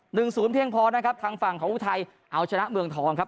หนึ่งศูนย์เพียงพอนะครับทางฝั่งของอุทัยเอาชนะเมืองทองครับ